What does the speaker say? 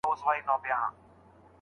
که د چا غصه ناحقه وي هغه ولي خجل کيږي؟